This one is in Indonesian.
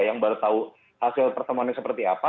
yang baru tahu hasil pertemuan ini seperti apa